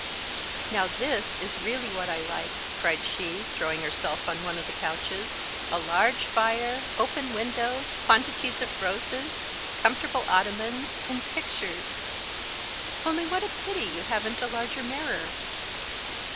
"Now, this is really what I like," cried she, throwing herself on one of the couches; "a large fire, open windows, quantities of roses, comfortable Ottomans, and pictures; only what a pity you haven't a larger mirror."